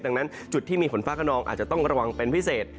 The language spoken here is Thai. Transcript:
ดังนั้นจุดที่มีฝนฟ้าขนองอาจจะต้องระวังเป็นพิเศษ